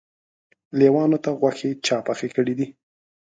لېوانو ته غوښې چا پخې کړی دي.